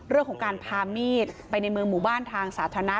เรื่องของการพามีดไปในเมืองหมู่บ้านทางสาธารณะ